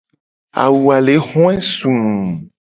Awu a le hoe suu.